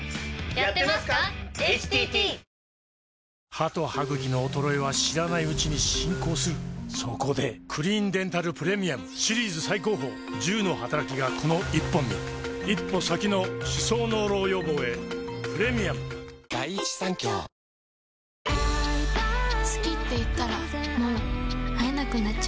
歯と歯ぐきの衰えは知らないうちに進行するそこで「クリーンデンタルプレミアム」シリーズ最高峰１０のはたらきがこの１本に一歩先の歯槽膿漏予防へプレミアム下の子も ＫＵＭＯＮ を始めた